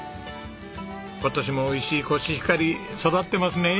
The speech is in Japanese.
今年もおいしいコシヒカリ育ってますね。